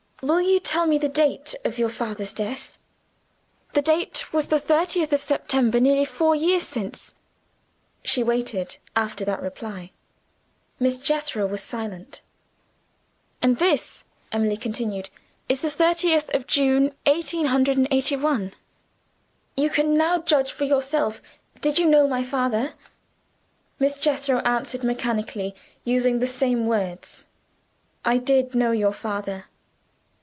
"Will you tell me the date of your father's death?" "The date was the thirtieth of September, nearly four years since." She waited, after that reply. Miss Jethro was silent. "And this," Emily continued, "is the thirtieth of June, eighteen hundred and eighty one. You can now judge for yourself. Did you know my father?" Miss Jethro answered mechanically, using the same words. "I did know your father."